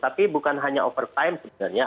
tapi bukan hanya over time sebenarnya